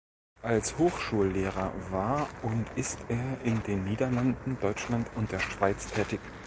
Als Hochschullehrer war und ist er in den Niederlanden, Deutschland und der Schweiz tätig.